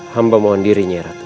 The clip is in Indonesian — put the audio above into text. hamba mohon dirinya ratu